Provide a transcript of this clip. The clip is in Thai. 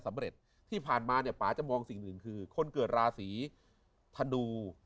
ที่ผ่านมาเนี่ยป่าจะมองสิ่งหนึ่งคือคนเกิดราศีธนู